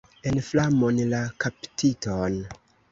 En flamon la kaptiton!